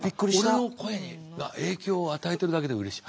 俺の声が影響を与えてるだけでうれしい。